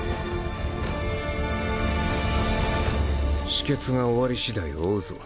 止血が終わり次第追うぞ。